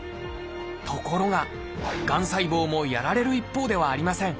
ところががん細胞もやられる一方ではありません。